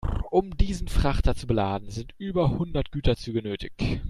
Um diesen Frachter zu beladen, sind über hundert Güterzüge nötig.